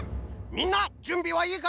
みんなじゅんびはいいかな？